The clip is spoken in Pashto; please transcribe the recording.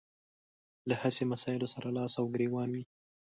له هسې مسايلو سره لاس او ګرېوان وي.